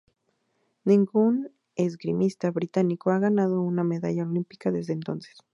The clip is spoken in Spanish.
Ningún esgrimista británico ha ganado una medalla olímpica desde entonces.